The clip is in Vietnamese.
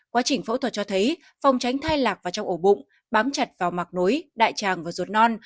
quá trình phẫu thuật cho thấy vòng tránh thai lạc vào trong ổ bụng bám chặt vào mạc nối đại tràng và ruột non